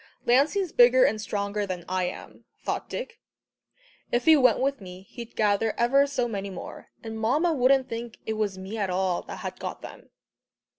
"Lancey's bigger and stronger than I am," thought Dick. "If he went with me, he'd gather ever so many more, and Mamma wouldn't think it was me at all that had got them."